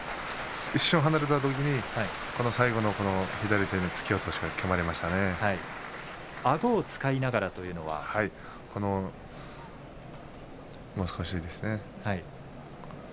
一瞬、離れたとき最後の左手の突き落としがあごを使いながら難しいですね。